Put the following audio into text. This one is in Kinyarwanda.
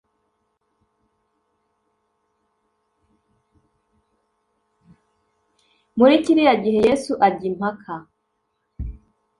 muri kiriya gihe yesu ajya impaka